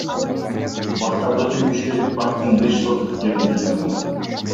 Бактарды кыюу иштери парктын беш сотых жеринде жүргөн.